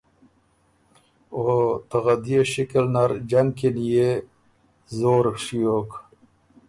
او ته غدئے شکل نر جنګ کی نيې زور ڒیوک۔